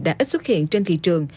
đã ít xuất hiện trên thị trường